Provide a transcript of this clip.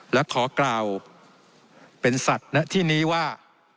และขอกล่าวเป็นสัตว์ณที่นี้ว่า